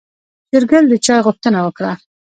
شېرګل د چاي غوښتنه وکړه.